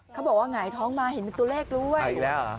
เขาบอกว่าไงท้องมาเห็นเป็นตัวแรกด้วย